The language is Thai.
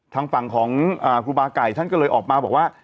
ทางฝั่งของครูบาไก่ท่านก็เลยออกมาบอกว่า